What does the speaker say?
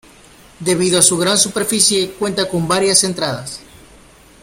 Debido a su gran superficie cuenta con varias entradas.